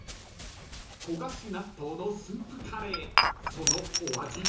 ［焦がし納豆のスープカレーそのお味は？］